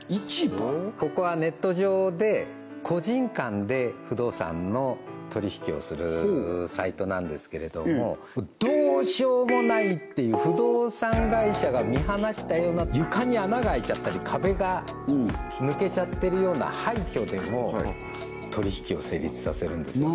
ここはネット上で個人間で不動産の取り引きをするサイトなんですけれどもどうしようもないっていう不動産会社が見放したような床に穴があいちゃったり壁が抜けちゃってるような廃虚でも取り引きを成立させるんですよ